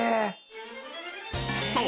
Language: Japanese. ［そう。